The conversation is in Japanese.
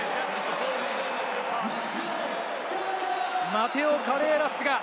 マテオ・カレーラス、トライ！